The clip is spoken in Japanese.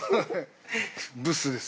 ブスです。